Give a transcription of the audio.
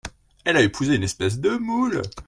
Elle a épousé une espèce de moule !…